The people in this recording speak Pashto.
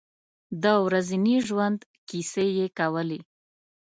د ورځني ژوند کیسې یې کولې.